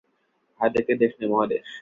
ভারত একটি দেশ নয়, মহাদেশ।